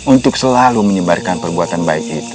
untuk selalu menyebarkan perbuatan baik itu